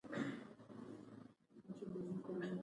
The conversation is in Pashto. هغه اوس په درې سوه اووه کې دی، دی په سوپ خوړلو مصروف و.